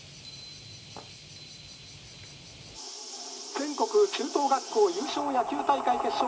「全国中等学校優勝野球大会決勝戦」。